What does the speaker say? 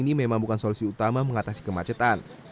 ini memang bukan solusi utama mengatasi kemacetan